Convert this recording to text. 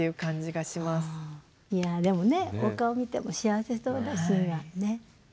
いやでもねお顔見ても幸せそうだし今ね。